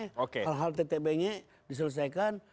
hal hal tetebengnya diselesaikan